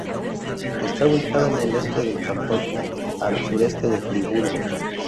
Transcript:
Está ubicada en el este del cantón, a al sureste de Friburgo.